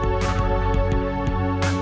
tuhan itu sudah dikecat